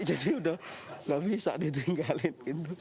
jadi udah nggak bisa ditinggalin